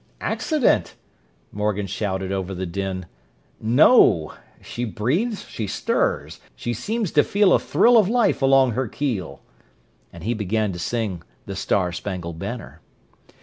"Accident?" Morgan shouted over the din. "No! She breathes, she stirs; she seems to feel a thrill of life along her keel!" And he began to sing "The Star Spangled Banner."